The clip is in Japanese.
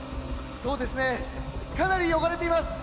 「そうですねかなり汚れています」